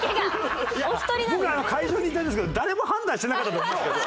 いや僕会場にいたんですけど誰も判断してなかったと思うんですけど。